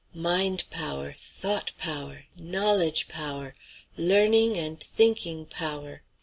"Mind power! thought power! knowledge power! learning and thinking power!"